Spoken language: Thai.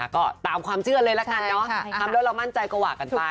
ก็ตามความเชื่อเลยละกันเนาะทำแล้วเรามั่นใจก็ว่ากันไป